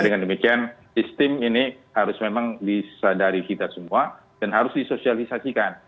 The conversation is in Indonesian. dengan demikian sistem ini harus memang disadari kita semua dan harus disosialisasikan